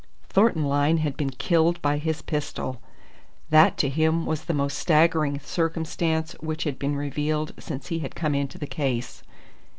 Thornton Lyne had been killed by his pistol! That to him was the most staggering circumstance which had been revealed since he had come into the case.